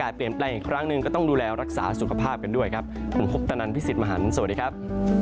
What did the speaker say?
สวัสดีครับ